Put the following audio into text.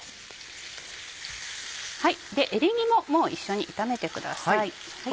エリンギももう一緒に炒めてください。